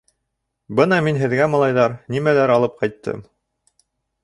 — Бына мин һеҙгә, малайҙар, нимәләр алып ҡайттым.